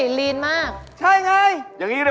หีนมากใช่ไง